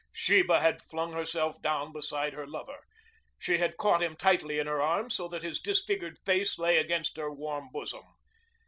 Sheba had flung herself down beside her lover. She had caught him tightly in her arms so that his disfigured face lay against her warm bosom.